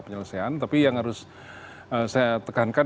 penyelesaian tapi yang harus saya tekankan